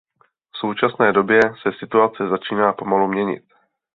V současné době se situace začíná pomalu měnit.